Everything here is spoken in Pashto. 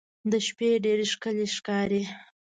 د شپې ډېر ښکلی ښکاري.